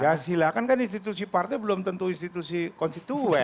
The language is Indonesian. ya silahkan kan institusi partai belum tentu institusi konstituen